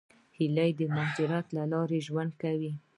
هیلۍ د مهاجرت له لارې ژوند کوي